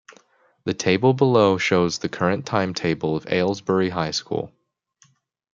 The table below shows the current timetable of Aylesbury High School.